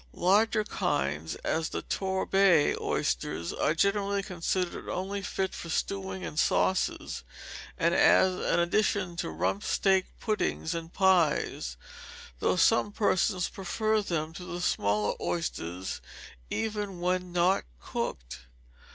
Larger kinds, as the Torbay oysters, are generally considered only fit for stewing and sauces, and as an addition to rump steak puddings and pies, though some persons prefer them to the smaller oysters, even when not cooked.